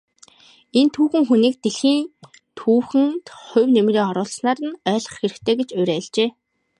Энэ түүхэн хүнийг дэлхийн түүхэнд хувь нэмрээ оруулснаар нь ойлгох хэрэгтэй гэж уриалжээ.